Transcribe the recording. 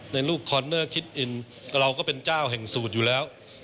ในลูกคอนเนอร์คิดอินเราก็เป็นเจ้าแห่งสูตรอยู่แล้ว